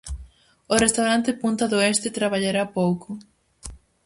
O restaurante Punta do Este traballará pouco.